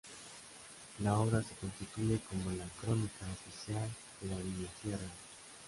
La obra se constituye como la crónica oficial de la dinastía real.